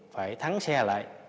phải thắng xe lại